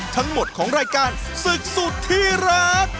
ทั้งหมดของรายการศึกสุดที่รัก